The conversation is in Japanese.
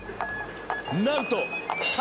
なんと！